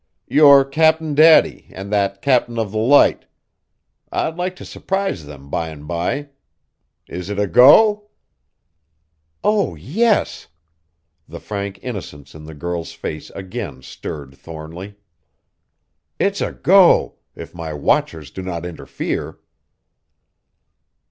Your Cap'n Daddy, and that Captain of the Light, I'd like to surprise them by and by. Is it a go?" "Oh! yes!" The frank innocence in the girl's face again stirred Thornly. "It's a go, if my watchers do not interfere."